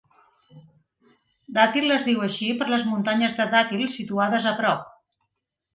Datil es diu així per les muntanyes de Datil, situades a prop.